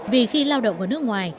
vì khi lao động ở nước ngoài